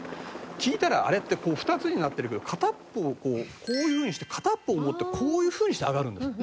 聞いたらあれってこう２つになってるけど片っぽをこういうふうにして片っぽを持ってこういうふうにして上がるんですよ。